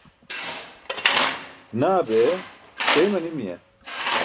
Naa bee! Teey manimiya?